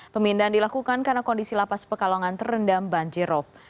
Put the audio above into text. pemindahan dilakukan karena kondisi lapas pekalongan terendam banjirop